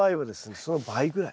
その倍ぐらい。